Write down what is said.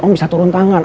om bisa turun tangan